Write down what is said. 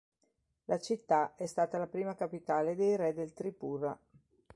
La città è stata la prima capitale dei re del Tripura.